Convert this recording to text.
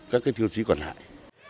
các cái tiêu chí còn lại